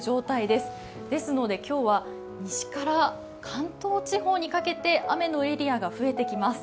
ですので、今日は西から関東地方にかけて雨のエリアが増えてきます。